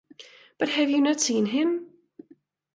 But have you not seen him?